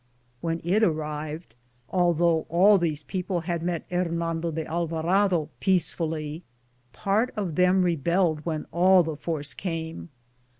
When it arrived, although all these people had met Hernando de Alvarado peacefully, part of them rebelled when all the force came.